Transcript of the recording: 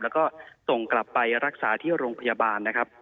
แล้วก็ส่งกลับไปรักษาที่โรงพยาบาลนะครับ